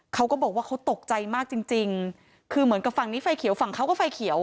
เขาก็บอกว่าเขาตกใจมากจริงจริงคือเหมือนกับฝั่งนี้ไฟเขียวฝั่งเขาก็ไฟเขียว